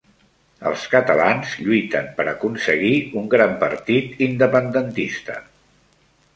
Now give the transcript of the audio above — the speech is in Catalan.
Els catalans lluiten per aconseguir un gran partit independentista.